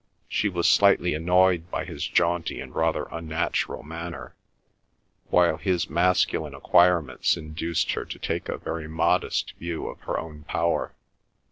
She was slightly annoyed by his jaunty and rather unnatural manner, while his masculine acquirements induced her to take a very modest view of her own power.